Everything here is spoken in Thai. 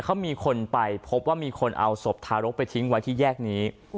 เขามีคนไปพบว่ามีคนเอาศพทารกไปทิ้งไว้ที่แยกนี้